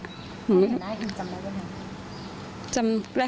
พ่อเห็นได้จำได้ไหม